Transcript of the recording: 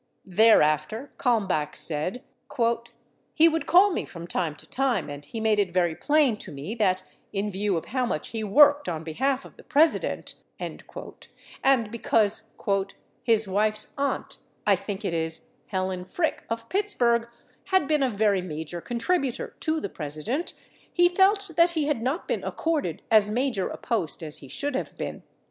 Thereafter Kalmbach said, "he would call me from time to time and he made it very plain to me that, in view of how muyh he worked on behalf of the President" and because "his wife's aunt, I think it is, Helen Frick of Pittsburgh, had been a very major contributor to the President he felt that he had not been accorded as major a post as he should have been."